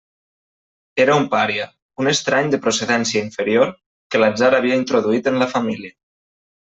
Era un pària, un estrany de procedència inferior que l'atzar havia introduït en la família.